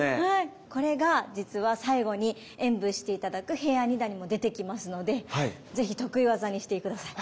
これが実は最後に演武して頂く平安二段にも出てきますので是非得意技にして下さい。